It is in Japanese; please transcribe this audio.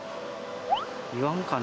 言わんかな。